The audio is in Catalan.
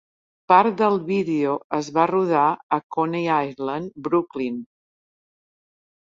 Part del vídeo es va rodar a Coney Island, Brooklyn.